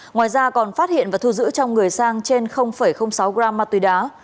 ngoài ra còn phát hiện và thu giữ trong người sang trên sáu gram ma túy đá